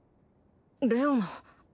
レオナ。